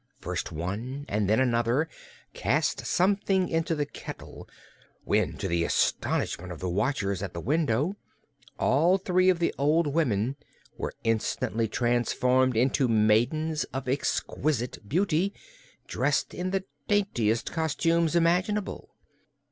First one and then another cast something into the kettle, when to the astonishment of the watchers at the window all three of the old women were instantly transformed into maidens of exquisite beauty, dressed in the daintiest costumes imaginable.